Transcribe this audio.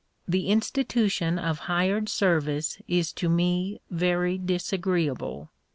The institution of hired service is to me very disagreeable.